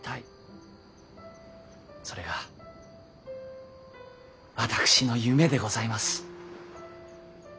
それが私の夢でございます。